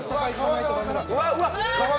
うわうわ！